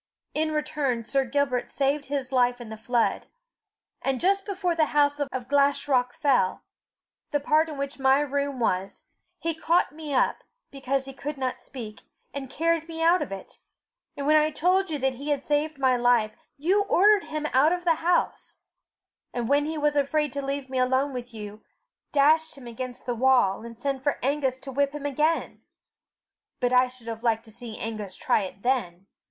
In return Sir Gilbert saved his life in the flood. And just before the house of Glashruach fell the part in which my room was, he caught me up, because he could not speak, and carried me out of it; and when I told you that he had saved my life, you ordered him out of the house, and when he was afraid to leave me alone with you, dashed him against the wall, and sent for Angus to whip him again. But I should have liked to see Angus try it then!"